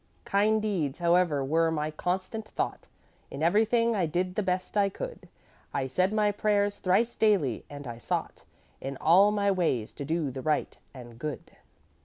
"'Kind deeds, however, were my constant thought; In everything I did the best I could; I said my prayers thrice daily, and I sought In all my ways to do the right and good.